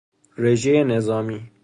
رژهی نظامی